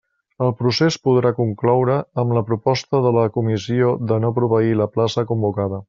El procés podrà concloure amb la proposta de la comissió de no proveir la plaça convocada.